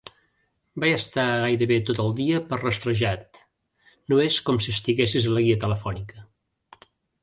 Vaig estar gairebé tot el dia per rastrejar-te, no és com si estiguessis a la guia telefònica.